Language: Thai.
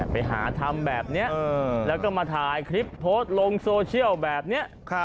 ไปหาทำแบบนี้แล้วก็มาถ่ายคลิปโพสต์ลงโซเชียลแบบนี้